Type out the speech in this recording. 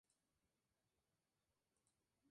Fue alumno de La Monte Young.